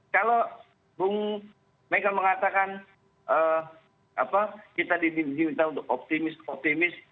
kalau bung megang mengatakan kita diberi tawaran optimis